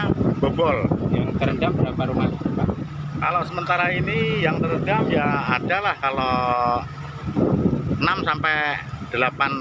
hai bobol yang terendam berapa rumah kalau sementara ini yang terendam ya adalah kalau